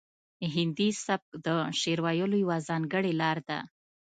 هندي سبک د شعر ویلو یوه ځانګړې لار ده